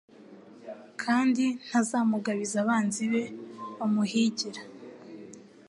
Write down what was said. Kandi ntazamugabiza abanzi be bamuhigira